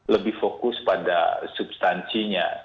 lebih fokus pada substansinya